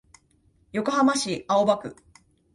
横浜市青葉区